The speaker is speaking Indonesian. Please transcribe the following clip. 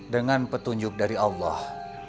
dengan petunjuk dari allah